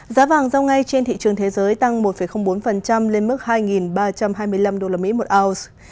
giá vàng giao ngay trên thị trường thế giới tăng một bốn lên mức hai ba trăm hai mươi năm usd một ounce